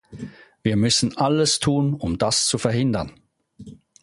Wir müssen alles tun, um das zu verhindern!